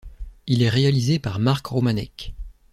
Il est réalisé par Mark Romanek.